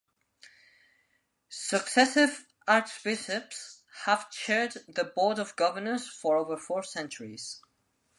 Successive Archbishops have chaired the Board of Governors for over four centuries.